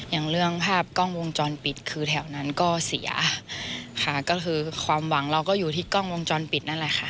อย่างเรื่องภาพกล้องวงจรปิดคือแถวนั้นก็เสียค่ะก็คือความหวังเราก็อยู่ที่กล้องวงจรปิดนั่นแหละค่ะ